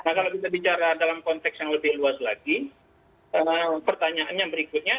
nah kalau kita bicara dalam konteks yang lebih luas lagi pertanyaannya berikutnya